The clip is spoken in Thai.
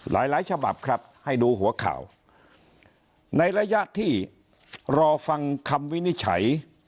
หลายหลายฉบับครับให้ดูหัวข่าวในระยะที่รอฟังคำวินิจฉัย